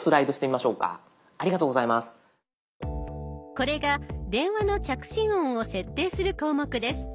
これが電話の着信音を設定する項目です。